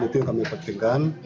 itu kami pentingkan